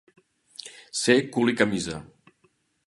Ser cul i camisa.